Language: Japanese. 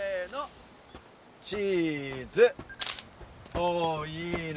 おおいいねえ。